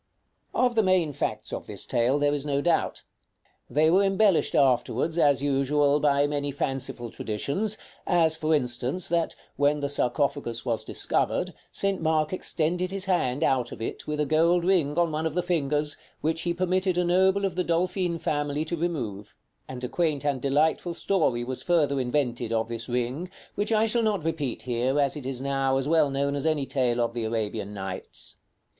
§ VIII. Of the main facts of this tale there is no doubt. They were embellished afterwards, as usual, by many fanciful traditions; as, for instance, that, when the sarcophagus was discovered, St. Mark extended his hand out of it, with a gold ring on one of the fingers, which he permitted a noble of the Dolfin family to remove; and a quaint and delightful story was further invented of this ring, which I shall not repeat here, as it is now as well known as any tale of the Arabian Nights.